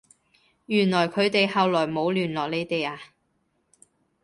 原來佢哋後來冇聯絡你哋呀？